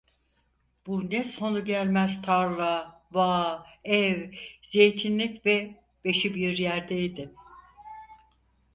Bu ne sonu gelmez tarla, bağ, ev, zeytinlik ve beşibiryerdeydi!